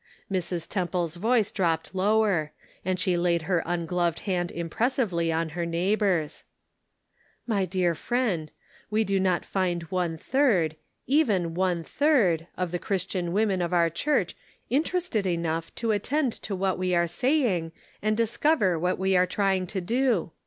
Mrs. Temple's voice dropped lower, and she laid her ungloved hand impressively on her neighbor's. " My dear friend, we do not find one third, even one third, of the Christian women of our 148 The Pocket Measure. church interested enough to attend to what we are saying, and discover what we are trying to do